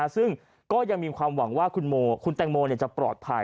ซึ่งก็ยังมีความหวังว่าคุณแตงโมจะปลอดภัย